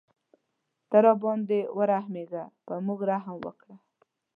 ته راباندې ورحمېږه په موږ رحم وکړه.